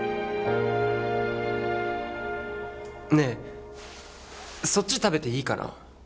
ねえそっち食べていいかな？